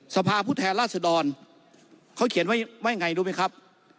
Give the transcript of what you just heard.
สภาพผู้แทนราชดรเขาเขียนไว้ว่าไงรู้ไหมครับ